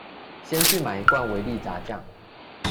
先去買一罐維力炸醬